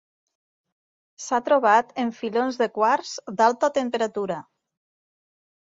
S'ha trobat en filons de quars d'alta temperatura.